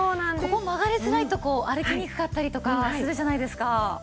ここ曲がりづらいと歩きにくかったりとかするじゃないですか。